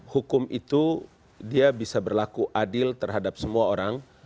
hukum itu dia bisa berlaku adil terhadap semua orang